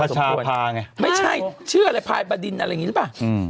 คาชาพาไงไม่ใช่เชื่ออะไรพายประดินอะไรอย่างนี้ใช่ป่ะ